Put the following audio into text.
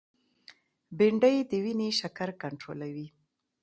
بېنډۍ د وینې شکر کنټرولوي